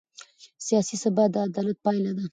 سیاسي ثبات د عدالت پایله ده